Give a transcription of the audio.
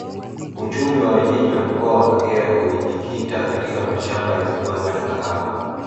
Uchumi wa wenyeji wa mkoa wa Kagera ulijikita katika mashamba ya migomba na kahawa